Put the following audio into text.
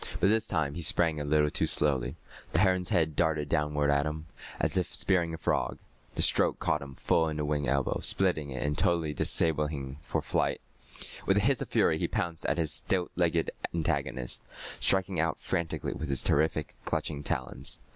But this time he sprang a little too slowly. The heron's head darted downward at him, as if spearing a frog. The stroke caught him full in the wing elbow, splitting it and totally disabling him for flight. With a hiss of fury, he pounced at his stilt legged antagonist, striking out frantically with his terrific, clutching talons.